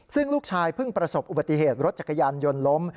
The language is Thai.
ซึ่งลูกชายเพิ่งประสบอุบัติเหตุรถจักรยานยนต์ล้ม